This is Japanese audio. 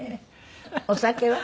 お酒は？